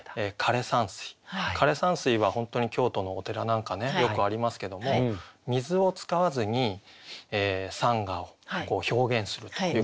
枯山水は本当に京都のお寺なんかねよくありますけども水を使わずに山河を表現するということですよね。